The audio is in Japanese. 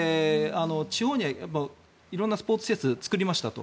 地方には色んなスポーツ施設作りましたと。